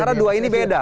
karena dua ini beda